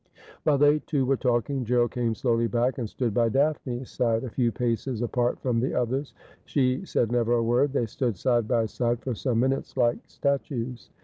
While they two were talking, Gerald came slowly back, and stood by Daphne's side, a few paces apart from the others. She said never a word. They stood side by side for some minutes like statues.